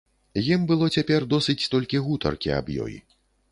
Ім было цяпер досыць толькі гутаркі аб ёй.